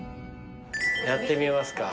やってみますか。